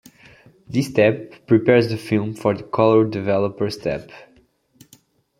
This step prepares the film for the colour developer step.